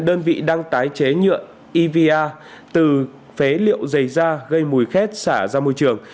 đơn vị đang tái chế nhựa eva từ phế liệu dày da gây mùi khét xả ra môi trường